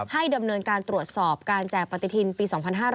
ดำเนินการตรวจสอบการแจกปฏิทินปี๒๕๕๙